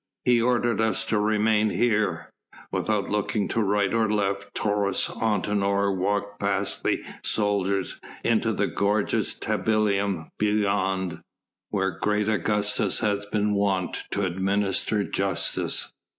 "He ordered us to remain here." Without looking to right or left Taurus Antinor walked past the soldiers into the gorgeous tablinium beyond, where great Augustus had been wont to administer justice.